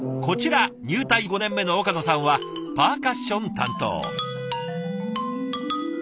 こちら入隊５年目の岡野さんはパーカッション担当。